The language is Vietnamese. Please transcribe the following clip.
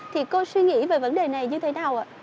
thì cô suy nghĩ về vấn đề này như thế nào ạ